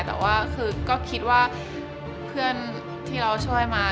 แต่ว่าคือก็คิดว่าเพื่อนที่เราช่วยมา